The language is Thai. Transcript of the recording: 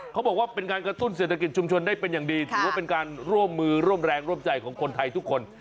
เขาบอกว่าเป็นการกระตุ้นเศรษฐกิจชุมชนได้เป็นอย่างดีถือว่าเป็นการร่วมมือร่วมแรงร่วมใจของคนไทยทุกคน